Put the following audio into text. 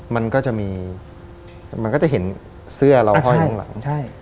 มันก็จะเห็นเสื้อเราห้อยข้างหลัง